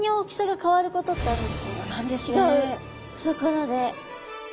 違うお魚で。